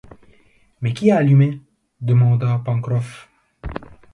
Mais qui a allumé?... demanda Pencroff.